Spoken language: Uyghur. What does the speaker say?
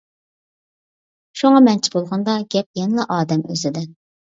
شۇڭا مەنچە بولغاندا گەپ يەنىلا ئادەم ئۆزىدە.